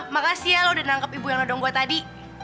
makasih ya lo udah nangkep ibu yang no dong gue tadi